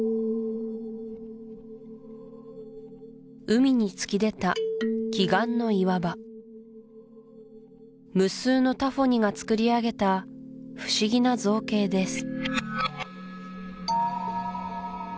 海に突き出た奇岩の岩場無数のタフォニがつくりあげた不思議な造形です